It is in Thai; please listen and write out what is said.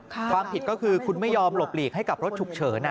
ความผิดก็คือคุณไม่ยอมหลบหลีกให้กับรถฉุกเฉิน